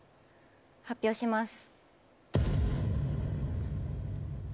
発表します。